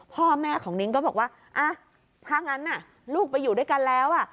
พ่อแม่ของนิ้งก็บอกว่าถ้างั้นลูกไปอยู่ด้วยกันแล้วอ่ะ